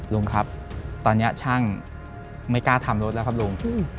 ลุงครับตอนนี้ช่างไม่กล้าทำรถแล้วครับลุง